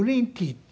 って。